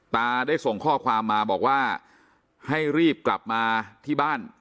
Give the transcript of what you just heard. ตาได้ส่งข้อความมาบอกว่าให้รีบกลับมาที่บ้าน